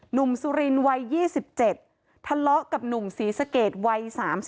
สุรินวัย๒๗ทะเลาะกับหนุ่มศรีสะเกดวัย๓๔